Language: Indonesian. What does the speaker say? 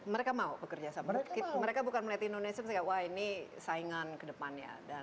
mereka mau bekerja sama mereka bukan melihat indonesia mereka bilang wah ini saingan kedepannya